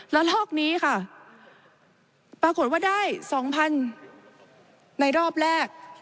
ลอกนี้ค่ะปรากฏว่าได้๒๐๐๐ในรอบแรก